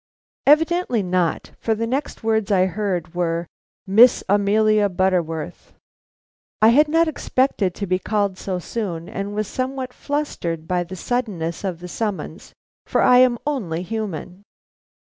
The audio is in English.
Evidently not; for the next words I heard were: "Miss Amelia Butterworth!" I had not expected to be called so soon, and was somewhat flustered by the suddenness of the summons, for I am only human.